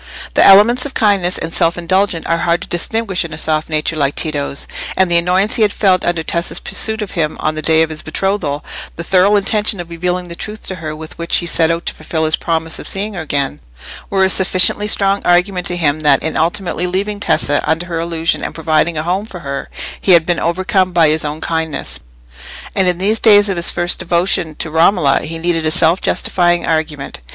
The elements of kindness and self indulgence are hard to distinguish in a soft nature like Tito's; and the annoyance he had felt under Tessa's pursuit of him on the day of his betrothal, the thorough intention of revealing the truth to her with which he set out to fulfil his promise of seeing her again, were a sufficiently strong argument to him that in ultimately leaving Tessa under her illusion and providing a home for her, he had been overcome by his own kindness. And in these days of his first devotion to Romola he needed a self justifying argument.